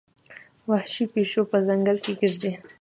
وحشي پیشو په ځنګل کې ګرځي.